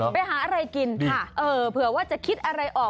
ไปหาอะไรกินค่ะเออเผื่อว่าจะคิดอะไรออก